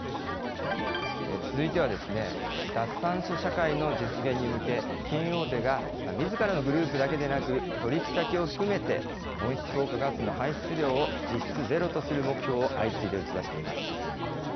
続いてはですね、脱炭素社会の実現に向け、金融大手がみずからのグループだけでなく、取り引き先を含めて、温室効果ガスの排出量を実質ゼロとする目標を相次いで打ち出しています。